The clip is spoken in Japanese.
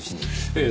ええ。